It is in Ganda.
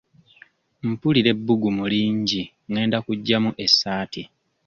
Mpulira ebbugumu lingi ngenda kuggyamu essaati.